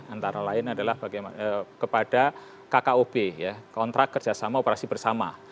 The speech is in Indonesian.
antara lain adalah kepada kkob ya kontrak kerjasama operasi bersama